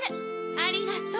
ありがとう。